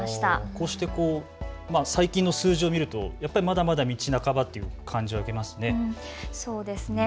こうして最近の数字を見るとまだまだ道半ばという感じがしますね。